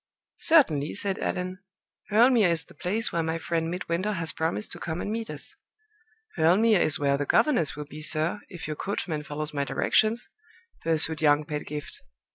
"Certainly," said Allan. "Hurle Mere is the place where my friend Midwinter has promised to come and meet us." "Hurle Mere is where the governess will be, sir, if your coachman follows my directions," pursued young Pedgift.